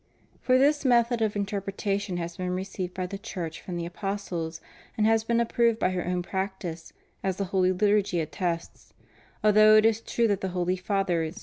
For this method of interpretation has been received by the Church from the apostles, and has been approved by her own practice, as the holy Liturgy attests; although it is true that the holy Fathers did not * S.